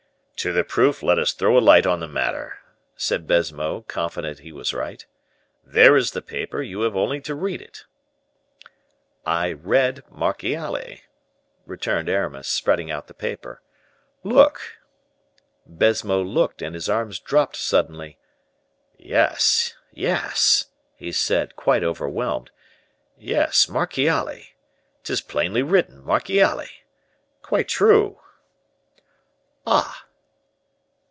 "To the proof; let us throw a light on the matter," said Baisemeaux, confident he was right. "There is the paper, you have only to read it." "I read 'Marchiali,'" returned Aramis, spreading out the paper. "Look." Baisemeaux looked, and his arms dropped suddenly. "Yes, yes," he said, quite overwhelmed; "yes, Marchiali. 'Tis plainly written Marchiali! Quite true!" "Ah!